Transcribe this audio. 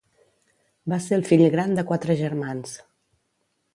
Va ser el fill gran de quatre germans.